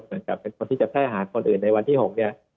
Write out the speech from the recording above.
เหมือนกับเป็นคนที่จะแพร่หาคนอื่นในวันที่๖เนี่ย